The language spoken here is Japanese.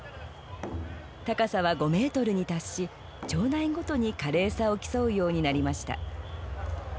高さは５メートルに達し町内ごとに華麗さを競うようになりました。